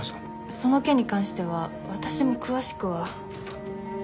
その件に関しては私も詳しくは。